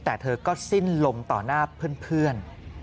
แต่เธอก็สิ้นลมต่อหน้าเพื่อน